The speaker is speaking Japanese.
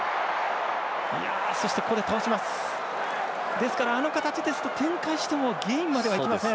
ですから、あの形ですと展開してもゲインまではいきません。